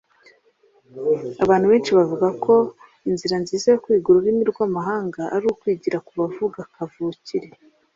Abantu benshi bavuga ko inzira nziza yo kwiga ururimi rwamahanga ari ukwigira kubavuga kavukire